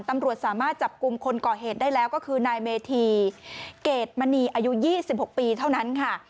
ตำรวจสามารถจับกลุ่มคนก่อเหตุได้แล้วก็คือนายเมธีเกรดมณีอายุ๒๖ปีเท่านั้นค่ะ